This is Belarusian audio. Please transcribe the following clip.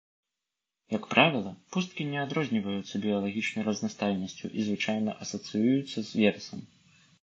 Як правіла, пусткі не адрозніваюцца біялагічнай разнастайнасцю і звычайна асацыююцца з верасам.